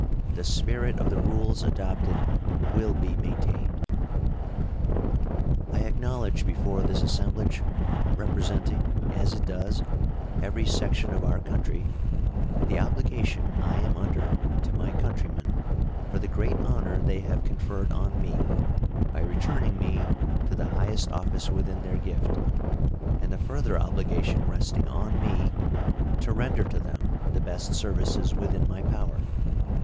The spirit of the rules adopted will be maintained. I acknowledge before this assemblage, representing, as it does, every section of our country, the obligation I am under to my countrymen for the great honor they have conferred on me by returning me to the highest office within their gift, and the further obligation resting on me to render to them the best services within my power.